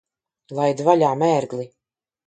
Laid vaļā, mērgli!